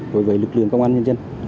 đối với lực lượng công an nhân dân